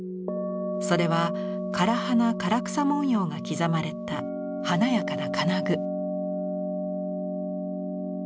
それは唐花唐草文様が刻まれた華やかな金具。